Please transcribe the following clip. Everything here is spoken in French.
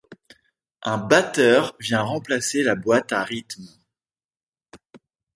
Un batteur vient remplacer la boîte à rythme.